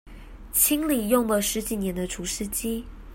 清理用了十幾年的除濕機